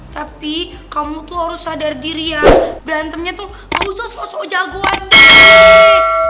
tapi kamu itu harus sadar diri ya berantemnya tuh ga usah sok sok jagoan deh